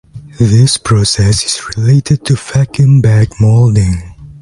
This process is related to vacuum bag molding.